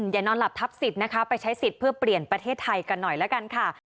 อย่านอนหลับทับสิทธิ์นะคะไปใช้สิทธิ์เพื่อเปลี่ยนประเทศไทยกันหน่อยละกันค่ะ